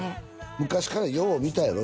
昔からよう見たやろ？